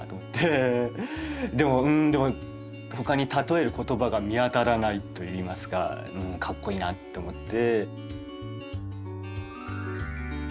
でもほかに例える言葉が見当たらないといいますかかっこイイなって思って。